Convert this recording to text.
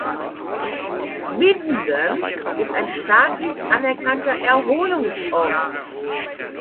Minden ist ein staatlich anerkannter Erholungsort.